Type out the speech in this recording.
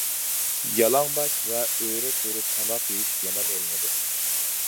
يالاڭباش ۋە ئۆرە تۇرۇپ تاماق يېيىش يامان ئېلىنىدۇ.